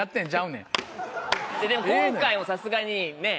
でも今回もさすがにねぇ。